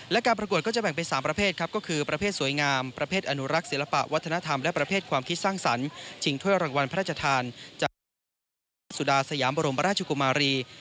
และการประกวดก็จะแบ่งเป็น๓ประเภทครับก็คือประเภทสวยงามประเภทอนุรักษ์ศิลปะวัฒนธรรมและประเภทความคิดสร้างสรรค์ชิงถ้วยรางวัลพระราชทานจากสมเด็จพระสุดาสยามบรมราชกุมารี